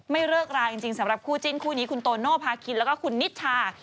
เลิกราจริงสำหรับคู่จิ้นคู่นี้คุณโตโนภาคินแล้วก็คุณนิชชา